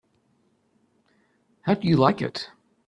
How do you like it?